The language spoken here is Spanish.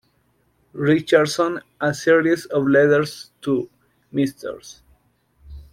Richardson; a Series of Letters to Mrs.